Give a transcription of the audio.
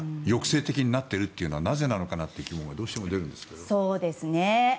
抑制的になっているというのはなぜなのかという疑問がどうしても出るんですが。